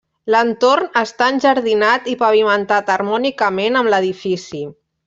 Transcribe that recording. L'entorn està enjardinat i pavimentat harmònicament amb l'edifici.